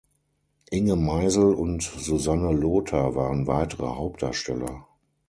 Inge Meysel und Susanne Lothar waren weitere Hauptdarsteller.